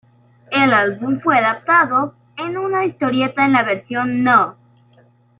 El álbum fue adaptado en una historieta en la versión No.